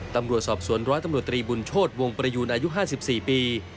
ตำรวจสอบสวนร้อยตำรวจตรีบุญโชธวงประยูนอายุ๕๔ปี